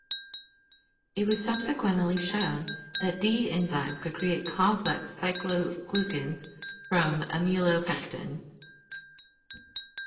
It was subsequently shown that D-enzyme could create complex cycloglucans from amylopectin.